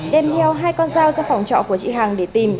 đem theo hai con dao ra phòng trọ của chị hằng để tìm